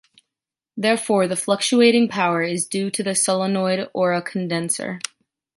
Therefore, the fluctuating power is due to a solenoid or a condenser.